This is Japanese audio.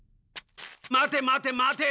待て待て待て！